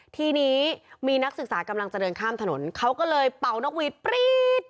ทีนี้มีนักศึกษากำลังจะเดินข้ามถนนเขาก็เลยเป่านกหวีดปรี๊ด